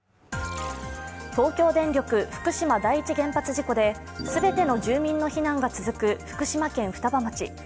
東京電力・福島第一原発事故で全ての住民の避難が続く福島県双葉町。